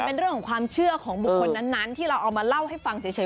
เป็นเรื่องของความเชื่อของบุคคลนั้นที่เราเอามาเล่าให้ฟังเฉย